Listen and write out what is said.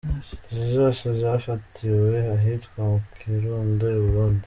Izi zose zafatiwe ahitwa mu Kirundo i Burundi.